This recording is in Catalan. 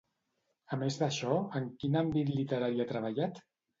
A més d'això, en quin àmbit literari ha treballat?